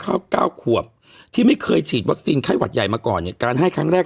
เก้าขวบที่ไม่เคยฉีดวัคซีนไข้หวัดใหญ่มาก่อนเนี่ยการให้ครั้งแรก